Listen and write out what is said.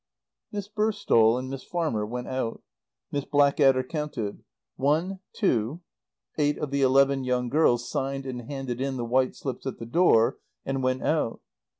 Miss Burstall and Miss Farmer went out. Miss Blackadder counted "One two " Eight of the eleven young girls signed and handed in the white slips at the door, and went out.